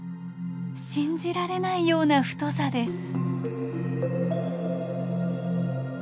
信じられないような太さです。